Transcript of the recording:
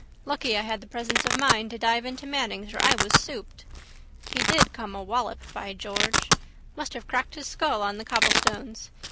Lucky I had the presence of mind to dive into Manning's or I was souped. He did come a wallop, by George. Must have cracked his skull on the cobblestones.